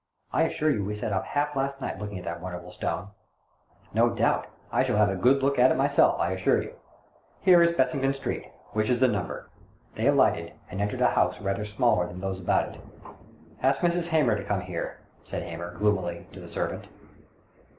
I assure you we sat up half last night looking at that wonderful stone !" "No doubt. I shall have a good look at it myself, I assure you. Here is Bessborough Street. Which is the number?" They alighted, and entered a house rather smaller than those about it. " Ask Mrs. Hamer to come here," said Hamer, gloomily, to the servant.